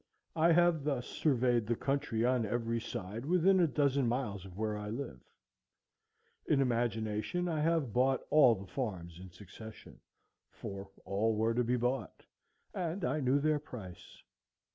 I have thus surveyed the country on every side within a dozen miles of where I live. In imagination I have bought all the farms in succession, for all were to be bought, and I knew their price.